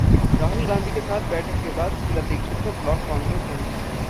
राहुल गांधी के साथ बैठक के बाद शीला दीक्षित ने ब्लॉक कांग्रेस भंग की